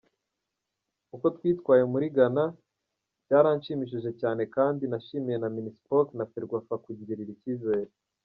Uko twitwaye muri Ghana byaranshimishije cyane kandi nashimiye na Minispoc na Ferwafa kungirira icyizere.